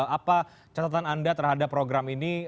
apa catatan anda terhadap program ini